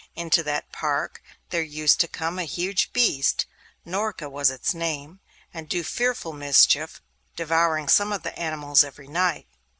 Into that park there used to come a huge beast—Norka was its name—and do fearful mischief, devouring some of the animals every night.